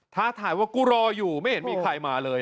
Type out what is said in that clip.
ท้าทายว่ากูรออยู่ไม่เห็นมีใครมาเลย